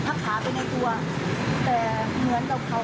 นี่มึงเห็นไหมมอเตอร์ต่อกินเยอะ